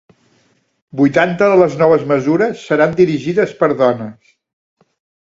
Vuitanta de les noves mesures seran dirigides per dones.